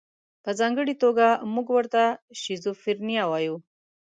په ځانګړې توګه موږ ورته شیزوفرنیا وایو.